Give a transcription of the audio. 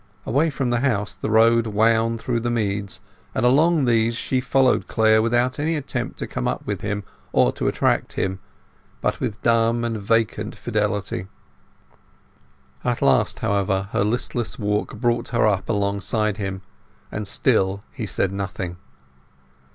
Away from the house the road wound through the meads, and along these she followed Clare without any attempt to come up with him or to attract him, but with dumb and vacant fidelity. At last, however, her listless walk brought her up alongside him, and still he said nothing.